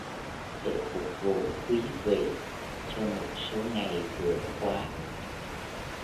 Để phục vụ quý vị cho một số ngày vừa qua